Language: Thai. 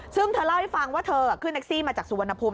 ซึ่งเธอเล่าให้ฟังว่าเธอขึ้นแท็กซี่มาจากสุวรรณภูมิ